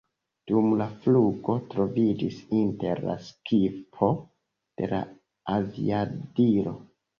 Dum la flugo troviĝis inter la skipo de la aviadilo.